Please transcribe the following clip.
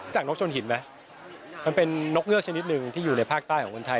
นกชนหินไหมมันเป็นนกเงือกชนิดหนึ่งที่อยู่ในภาคใต้ของคนไทย